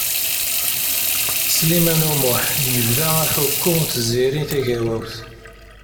Sliman U Muḥ yebda aḥukku d Tiziri Tagawawt.